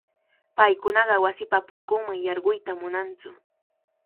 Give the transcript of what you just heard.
Paykunaqa wasipa punkunman yarquyta munantsu.